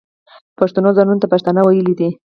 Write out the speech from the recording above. پښتنو ځانونو ته پښتانه ویلي دي.